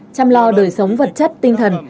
chăm lo đời sống vật chất tinh thần